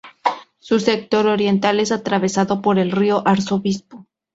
Su sector oriental es atravesado por el río Arzobispo.